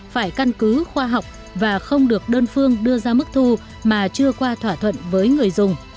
phải căn cứ khoa học và không được đơn phương đưa ra mức thu mà chưa qua thỏa thuận với người dùng